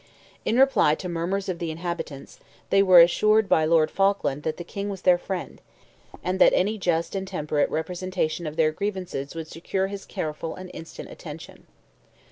In reply to the murmurs of the inhabitants, they were assured by Lord Falkland that the King was their friend, and that any just and temperate representation of their grievances would secure his careful and instant attention.